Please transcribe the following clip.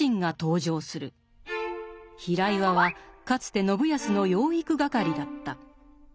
平岩はかつて信康の養育係だった。